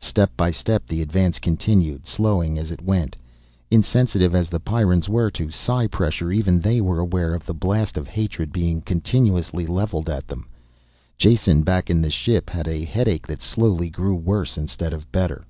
Step by step the advance continued, slowing as it went. Insensitive as the Pyrrans were to psi pressure, even they were aware of the blast of hatred being continuously leveled at them. Jason, back in the ship, had a headache that slowly grew worse instead of better.